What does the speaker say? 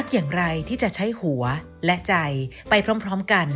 อ้อยณพาพร